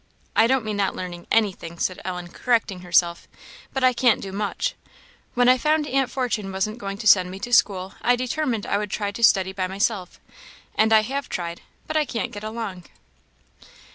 I don't mean not learning anything," said Ellen, correcting herself; "but I can't do much. When I found Aunt Fortune wasn't going to send me to school, I determined I would try to study by myself; and I have tried; but I can't get along."